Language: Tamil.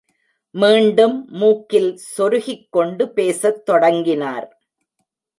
மீண்டும் மூக்கில் சொருகிக் கொண்டு பேசத் தொடங்கினார்.